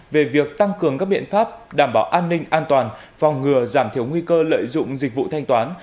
về việc tăng cường các biện pháp đảm bảo an ninh an toàn phòng ngừa giảm thiểu nguy cơ lợi dụng dịch vụ thanh toán